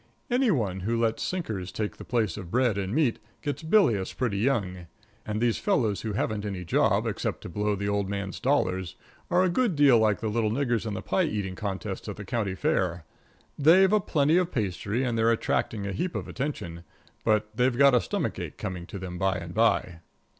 Any one who lets sinkers take the place of bread and meat gets bilious pretty young; and these fellows who haven't any job, except to blow the old man's dollars, are a good deal like the little niggers in the pie eating contest at the County Fair they've a plenty of pastry and they're attracting a heap of attention, but they've got a stomach ache coming to them by and by.